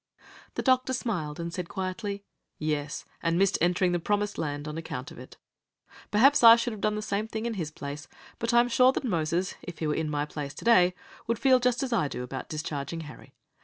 The doctor smiled, and said quietly: "Yes, and missed entering the promised land on account of it. Perhaps I should have done the same thing in his place; but I am sure that Moses, if he were in my place today, would feel just as I do about discharging Harry.